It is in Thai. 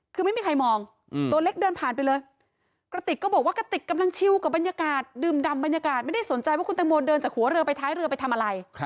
คือไม่มีใครมองตัวเล็กเดินผ่านไปเลยกระติกก็บอกว่ากระติกกำลังชิวกับบรรยากาศดื่มดำบรรยากาศไม่ได้สนใจว่าคุณตังโมเดินจากหัวเรือไปท้ายเรือไปทำอะไร